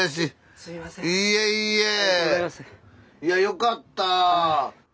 いやよかった！